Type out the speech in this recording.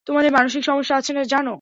তোমাদের মানসিক সমস্যা আছে, জানো?